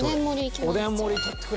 おでん盛り取ってくれ。